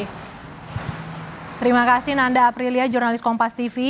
terima kasih nanda aprilia jurnalis kompas tv